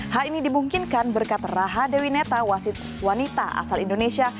hal ini dimungkinkan berkat raha dewi neta wanita asal indonesia